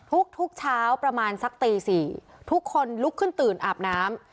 ทุกเช้าประมาณสักตี๔ทุกคนลุกขึ้นตื่นอาบน้ำ